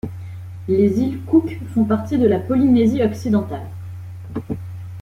Les îles Cook font partie de la Polynésie occidentale.